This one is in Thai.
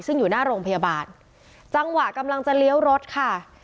ซึ่งอยู่หน้าโรงพยาบาลจังหวะกำลังจะเลี้ยวรถค่ะ